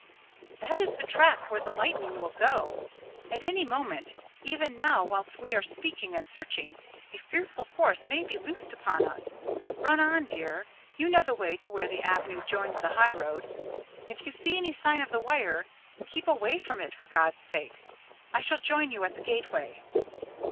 "That is the track where the lightning will go; at any moment, even now whilst we are speaking and searching, a fearful force may be loosed upon us. Run on, dear; you know the way to where the avenue joins the highroad. If you see any sign of the wire, keep away from it, for God's sake. I shall join you at the gateway."